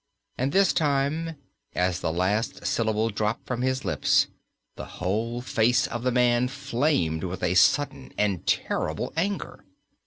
And this time, as the last syllable dropped from his lips, the whole face of the man flamed with a sudden and terrible anger.